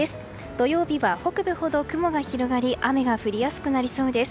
土曜日は北部ほど雲が広がり雨が降りやすくなりそうです。